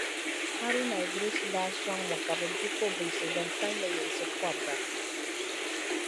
Haruna Idrisu daa soŋmi ka bi gbi kobilisi din kalinli yiɣisi kobiga.